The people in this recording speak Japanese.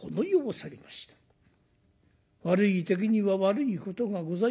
悪い時には悪いことがございます。